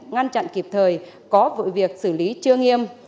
ngăn chặn kịp thời có vụ việc xử lý chưa nghiêm